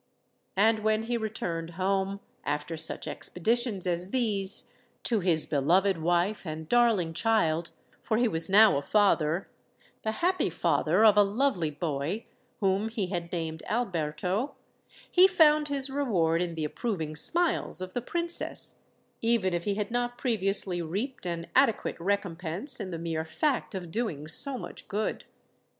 And when he returned home, after such expeditions as these, to his beloved wife and darling child,—for he was now a father—the happy father of a lovely boy, whom he had named Alberto,—he found his reward in the approving smiles of the Princess, even if he had not previously reaped an adequate recompense in the mere fact of doing so much good.